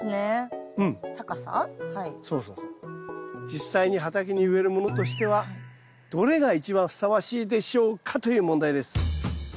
実際に畑に植えるものとしてはどれが一番ふさわしいでしょうか？という問題です。